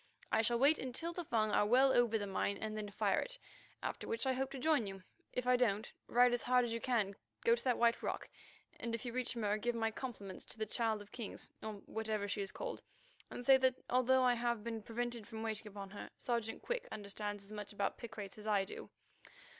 I shall wait until the Fung are well over the mine and then fire it, after which I hope to join you. If I don't, ride as hard as you can go to that White Rock, and if you reach Mur give my compliments to the Child of Kings, or whatever she is called, and say that although I have been prevented from waiting upon her, Sergeant Quick understands as much about picrates as I do.